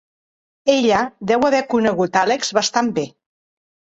Ella deu haver conegut Alex bastant bé.